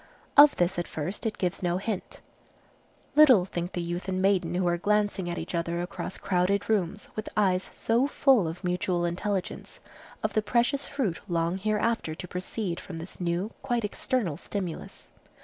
Of this at first it gives no hint. Little think the youth and maiden who are glancing at each other across crowded rooms with eyes so full of mutual intelligence, of the precious fruit long hereafter to proceed from this new, quite external stimulus.